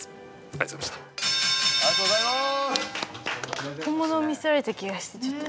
ありがとうございます。